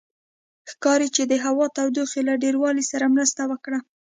ښکاري چې د هوا تودوخې له ډېروالي سره مرسته وکړه.